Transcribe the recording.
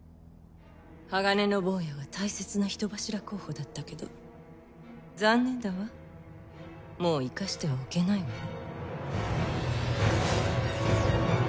ハガネの坊やは大切な人柱候補だったけど残念だわもう生かしてはおけないわね